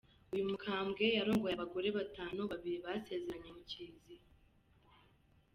Uyu mukambwe yarongoye abagore batanu, babiri basezeranye mu kiliziya.